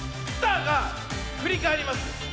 スターがふりかえります。